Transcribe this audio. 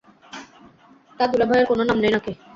তা দুলাভাইয়ের কোনো নাম নেই না কি?